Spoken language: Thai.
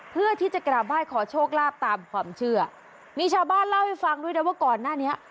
เพื่อที่จะกราบไหว้ขอโชคลาภตามความเชื่อมีชาวบ้านเล่าให้ฟังด้วยนะว่าก่อนหน้านี้